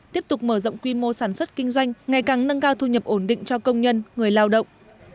tiếp tục mở rộng quy mô sản xuất kinh doanh ngày càng nâng cao thu nhập ổn định cho công nhân người lao động